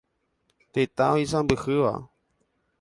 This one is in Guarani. Tetã oisãmbyhýva.